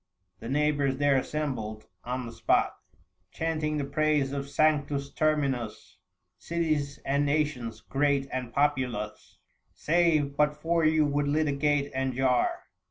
•The neighbours there assembled on the spot Chanting the praise of Sanctus Terminus. Cities and nations, great and populous, 705 Save but for you would litigate and jar.